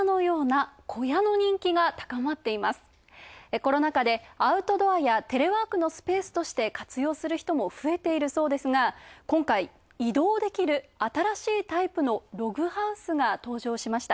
コロナ禍でアウトドアやテレワークのスペースとして活用する人が増えているそうですが、今回、移動できる新しいタイプのログハウスが登場しました。